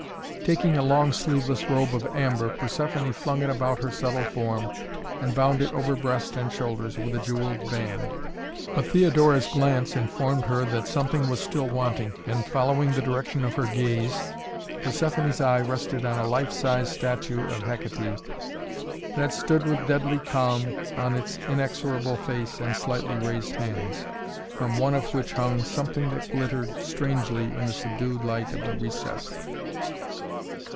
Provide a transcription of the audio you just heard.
Taking a long, sleeveless robe of amber, Persephoné flung it about her subtle form and bound it over breast and shoulders with a jewelled band. But Theodora's glance informed her that something was still wanting and, following the direction of her gaze, Persephoné's eye rested on a life size statue of Hekaté that stood with deadly calm on its inexorable face and slightly raised hands, from one of which hung something that glittered strangely in the subdued light of the recess.